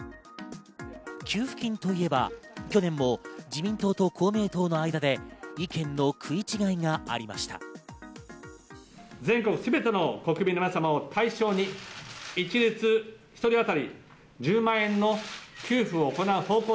給付金といえば去年も自民党と公明党の間で意見の食い違いがありました。